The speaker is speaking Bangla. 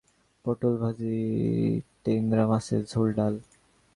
পটল ভাজি, টেংরা মাছের ঝোল, ডাল।